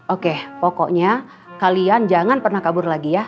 oke pokoknya kalian jangan pernah kabur lagi ya